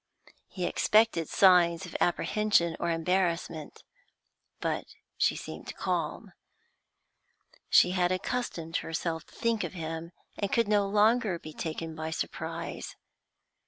He expected signs of apprehension or embarrassment, but she seemed calm. She had accustomed herself to think of him, and could no longer be taken by surprise.